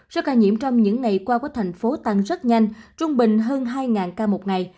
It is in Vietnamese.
số ca nhiễm trong những ngày qua của thành phố tăng rất nhanh trung bình hơn hai ca một ngày